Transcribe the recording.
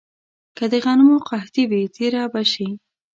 که د غنمو قحطي وي، تېره به شي.